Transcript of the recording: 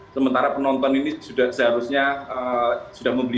sementara penonton ini sudah seharusnya sudah membeli